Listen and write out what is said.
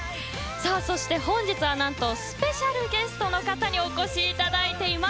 そして、本日はスペシャルゲストの方にお越しいただいています。